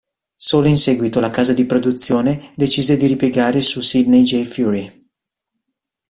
Solo in seguito la casa di produzione decise di ripiegare su Sidney J. Furie.